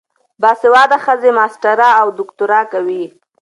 باسواده ښځې ماسټري او دوکتورا کوي.